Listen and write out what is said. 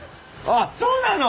あっそうなの！